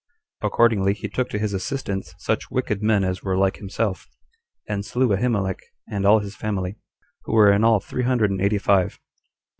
Accordingly, he took to his assistance such wicked men as were like himself, and slew Ahimelech and all his family, who were in all three hundred and eighty five.